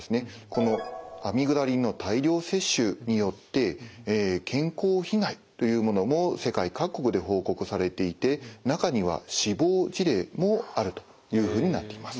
このアミグダリンの大量摂取によって健康被害というものも世界各国で報告されていて中には死亡事例もあるというふうになっています。